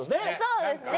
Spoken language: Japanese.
そうですね。